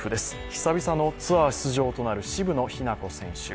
久々のツアー出場となる渋野日向子選手